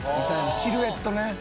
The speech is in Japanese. シルエットね。